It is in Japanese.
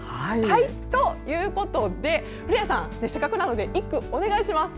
ということで古谷さん、せっかくなので一句、お願いします。